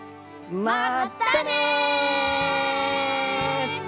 まったね！